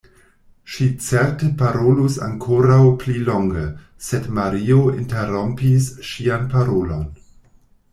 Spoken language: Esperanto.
Ŝi certe parolus ankoraŭ pli longe, sed Mario interrompis ŝian parolon.